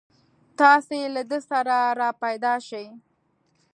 تاسې له ده سره راپیدا شئ.